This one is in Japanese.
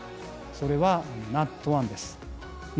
それはＮＡＴ１です。